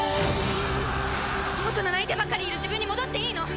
元の泣いてばかりいる自分に戻っていいの？